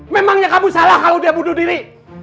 memangnya kamu salah kalau dia bunuh diri